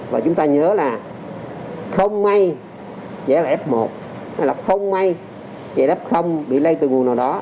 và chúng ta nhớ là không may trẻ là f một hay là không may trẻ đáp bị lây từ nguồn nào đó